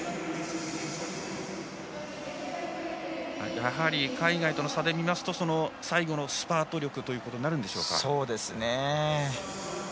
やはり海外との差で見ますと最後のスパート力ということにそうですね。